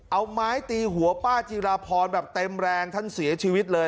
เอาไม้ตีหัวป้าจิราพรแบบเต็มแรงท่านเสียชีวิตเลย